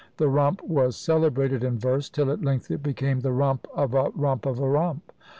"The Rump" was celebrated in verse, till at length it became "the Rump of a Rump of a Rump!"